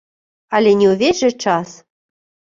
Але не ўвесь жа час.